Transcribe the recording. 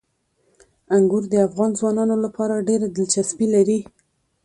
انګور د افغان ځوانانو لپاره ډېره دلچسپي لري.